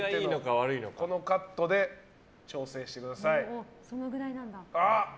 このカットで調整してください。